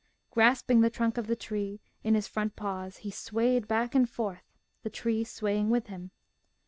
Grasping the trunk of the tree in his front paws he swayed back and forth, the tree swaying with him.